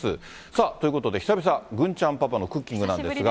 さあ、ということで、久々、郡ちゃんパパのクッキングなんですが。